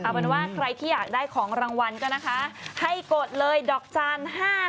เอาเป็นว่าใครที่อยากได้ของรางวัลก็นะคะให้กดเลยดอกจาน๕๐